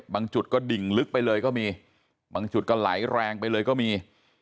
จุดก็ดิ่งลึกไปเลยก็มีบางจุดก็ไหลแรงไปเลยก็มี